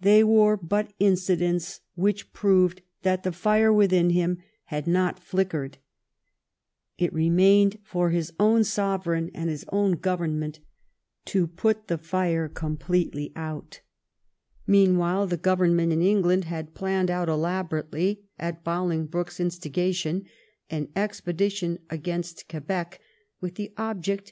They were but incidents which proved that the fire within him had not flickered. It remained for his own Sovereign and his own Government to put the fire completely out. Meanwhile, the Government in England had planned out elaborately, at BoHngbroke's instiga tion, an expedition against Quebec, with the object, 1711 THE QUEBEC EXPEDITION.